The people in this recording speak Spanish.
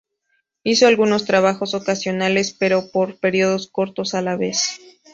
Hizo algunos trabajos ocasionales, pero por períodos cortos a la vez.